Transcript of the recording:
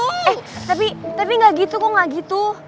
eh tapi tapi gak gitu kok gak gitu